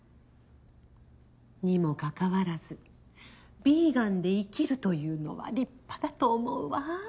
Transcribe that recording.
にもかかわらずビーガンで生きるというのは立派だと思うわ。